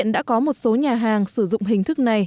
bao gồm cả người và xe máy